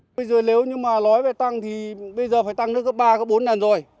bây giờ nếu như mà nói về tăng thì bây giờ phải tăng đến cấp ba cấp bốn nền rồi